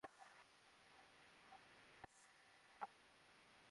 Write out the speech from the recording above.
কোনো দিন মুখ ফুটে বলতে পারিনি আব্বা আমি আপনাকে অনেক ভালোবাসি।